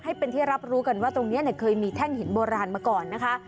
ให้เป็นที่รับรู้กันว่าตรงนี้เคยมีแท่งหินโบราณมาก่อนนะคะ